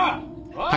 おい！